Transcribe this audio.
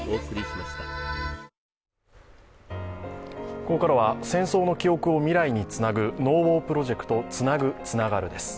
ここからは、戦争の記憶を未来につなぐ「ＮＯＷＡＲプロジェクトつなぐ、つながる」です。